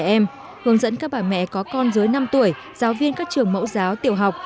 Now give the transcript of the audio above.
các em hướng dẫn các bà mẹ có con dưới năm tuổi giáo viên các trường mẫu giáo tiểu học